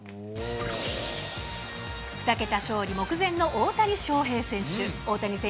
２桁勝利目前の大谷翔平選手。